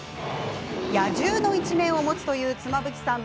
野獣の一面を持つという妻夫木さん！